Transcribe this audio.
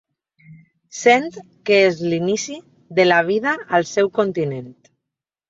Sent que és l'inici de la vida al seu continent.